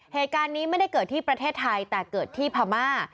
เหตุการณ์นี้ไม่ได้เกิดที่ประเทศไทยแต่เกิดที่พม่า